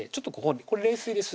これ冷水です